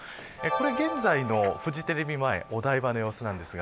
現在のフジテレビ前お台場の様子です。